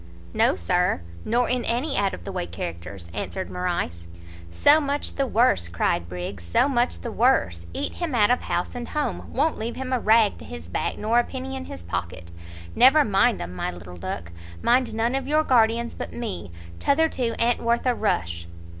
"No, Sir, nor in any out of the way characters," answered Morrice. "So much the worse," cried Briggs, "so much the worse! Eat him out of house and home; won't leave him a rag to his back nor a penny in his pocket. Never mind 'em, my little duck; mind none of your guardians but me; t'other two a'n't worth a rush."